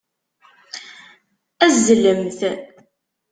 Azzelemt.